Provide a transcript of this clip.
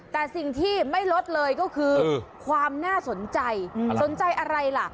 แต่สิ่งที่ไม่ลดเลยก็คือความน่าสนใจสนใจอะไรล่ะ